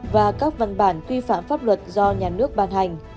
và các văn bản quy phạm pháp luật do nhà nước ban hành